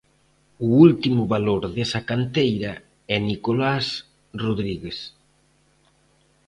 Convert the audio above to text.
O último valor desa canteira é Nicolás Rodríguez.